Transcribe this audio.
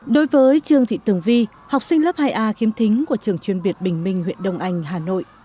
đối với trương thị tường vi học sinh lớp hai a khiếm thính của trường chuyên việt bình minh huyện đông anh hà nội